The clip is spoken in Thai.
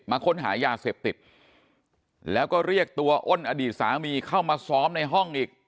ค้นหายาเสพติดแล้วก็เรียกตัวอ้นอดีตสามีเข้ามาซ้อมในห้องอีก